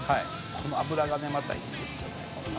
この油がねまたいいんですよね。